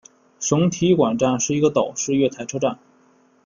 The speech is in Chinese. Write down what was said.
省体育馆站是一个岛式月台车站。